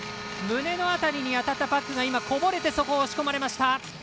胸の辺りに当たったパックが今、こぼれてそこを押し込まれました。